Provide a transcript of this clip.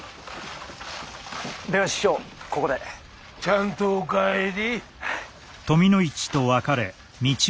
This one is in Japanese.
では師匠ここで。ちゃんとお帰り。